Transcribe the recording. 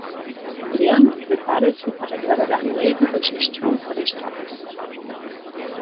Adrián prepárase para traballar no eido da xestión forestal.